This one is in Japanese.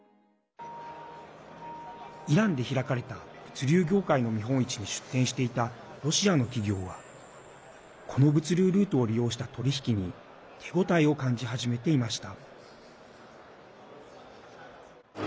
イランで開かれた物流業界の見本市に出展していたロシアの企業はこの物流ルートを利用した取り引きに手応えを感じ始めていました。